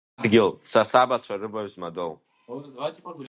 Адгьыл, са сабацәа рыбаҩ змадоу.